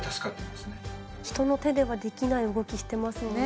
人の手ではできない動きしてますもんね